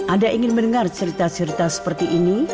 anda ingin mendengar cerita cerita seperti ini